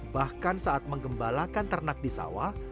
bahkan saat menggembalakan ternak di sawah